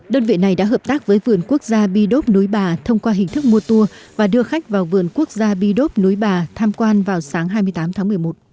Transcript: đơn vị này đã hợp tác với vườn quốc gia bi đốp núi bà thông qua hình thức mua tour và đưa khách vào vườn quốc gia bi đốp núi bà tham quan vào sáng hai mươi tám tháng một mươi một